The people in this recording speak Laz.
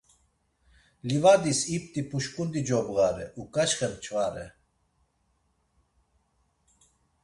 Livadis ipt̆i puşǩundi cobğare, uǩaçxe mç̌vare.